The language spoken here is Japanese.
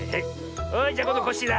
じゃこんどコッシーだ。